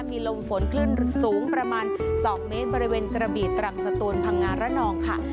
มีลมฝนคลื่นสูงประมาณ๒เมตรบริเวณกระบีตรังสตูนพังงานระนองค่ะ